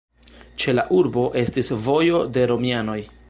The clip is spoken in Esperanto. Ĉe la urbo estis vojo de romianoj.